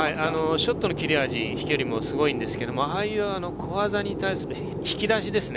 ちょっとの切れ味、飛距離もすごいですが、小技に対する引き出しですね。